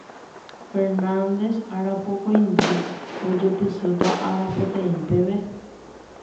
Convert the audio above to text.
Fernández Arapokõindy ojepysóta arapoteĩ peve.